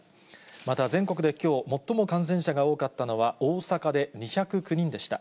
また、全国できょう、最も感染者が多かったのは大阪で２０９人でした。